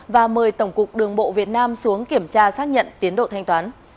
và mời tổng cục đường bộ việt nam xuống kiểm tra xác nhận tiến độ thanh toán